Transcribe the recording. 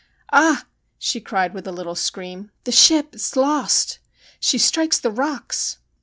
Ah !' she cried with a little scream, ' the ship is lost. She strikes the rocks.'